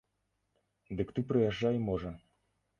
Дык ты прыязджай, можа.